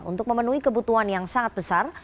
untuk memenuhi kebutuhan yang sangat besar